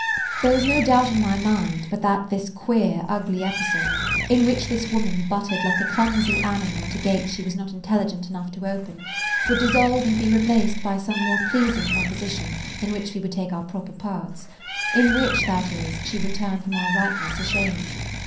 There was no doubt in my mind but that this queer, ugly episode in which this woman butted like a clumsy animal at a gate she was not intelligent enough to open would dissolve and be replaced by some more pleasing composition in which [Page 25] we would take our proper parts; in which, that is, she would turn from our rightness ashamed.